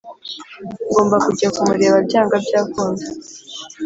ngomba kujya kumureba byanga byakunda